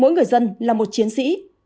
mỗi người dân là một chiến sĩ